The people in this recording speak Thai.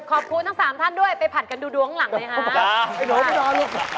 ขอบคุณทั้งสามท่านด้วยไปผ่านกันดูดวงข้างหลังเลยฮะ